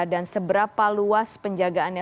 dan seberapa luas penjagaannya